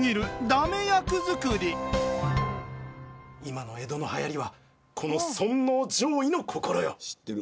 今の江戸のはやりはこの尊王攘夷の心よ。